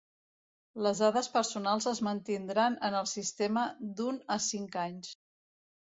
Les dades personals es mantindran en el sistema d'un a cinc anys.